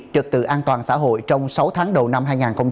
trực tự an toàn xã hội trong sáu tháng đầu năm hai nghìn hai mươi hai